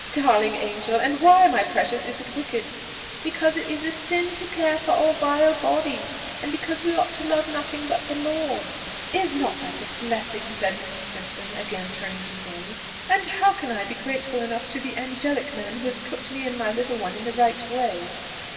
"Darling angel! And why, my precious! is it wicked?" "Because it is a sin to care for our vile bodies, and because we ought to love nothing but the Lord." "Is not that a blessing?" said Mrs. Simpson, again turning to Fanny. "And how can I be grateful enough to the angelic man who has put me and my little one in the right way?"